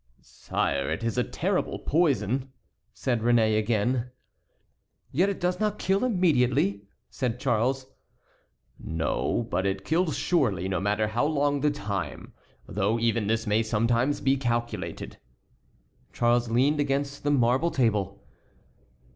"Sire, it is a terrible poison," said Réné, again. "Yet it does not kill immediately," said Charles. "No, but it kills surely, no matter how long the time, though even this may sometimes be calculated." Charles leaned against the marble table.